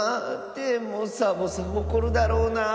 でもサボさんおこるだろうなあ。